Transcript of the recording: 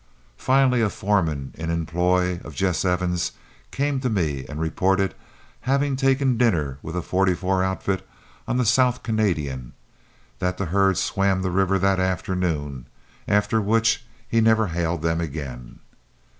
Finally a foreman in the employ of Jess Evens came to me and reported having taken dinner with a "44" outfit on the South Canadian; that the herd swam the river that afternoon, after which he never hailed them again.